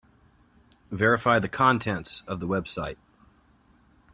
Verify the contents of the website.